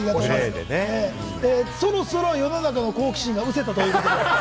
そろそろ世の中の好奇心が失せたということで。